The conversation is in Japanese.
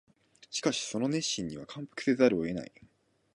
しかしその熱心には感服せざるを得ない